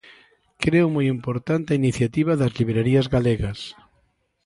Creo moi importante a iniciativa das librarías galegas.